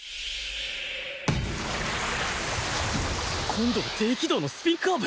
今度は低軌道のスピンカーブ！？